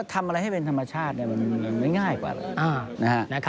ทำอะไรให้เป็นธรรมชาติมันไม่ง่ายกว่า